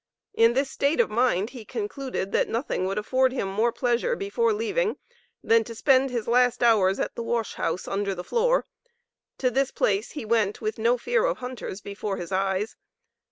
In this state of mind he concluded that nothing would afford him more pleasure before leaving, than to spend his last hours at the wash house, "under the floor." To this place he went with no fear of hunters before his eyes.